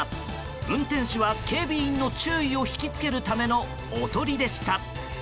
運転手は警備員の注意を引き付けるためのおとりでした。